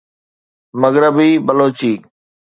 مغربي بلوچي